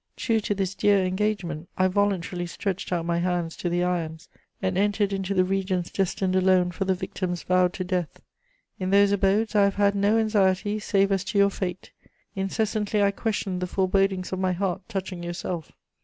True to this dear engagement, I voluntarily stretched out my hands to the irons, and entered into the regions destined alone for the victims vowed to death. In those abodes I have had no anxiety save as to your fate; incessantly I questioned the forebodings of my heart touching yourself.